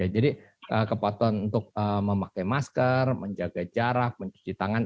jadi kepatuhan untuk memakai masker menjaga jarak mencuci tangan